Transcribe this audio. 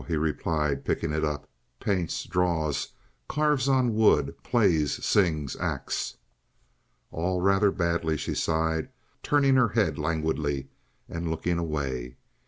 he replied, picking it up. "Paints, draws, carves on wood, plays, sings, acts." "All rather badly," she sighed, turning her head languidly and looking away.